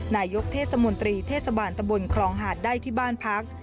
นายกเทศมนตรีเทศบาลตะบนครองหาดได้ที่บ้านพัก